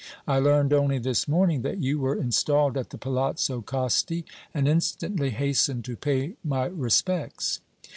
I learned only this morning that you were installed at the Palazzo Costi and instantly hastened to pay my respects."